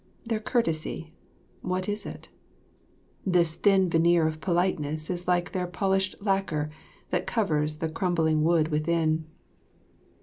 Their courtesy, what is it? This thin veneer of politeness is like their polished lacquer that covers the crumbling wood within.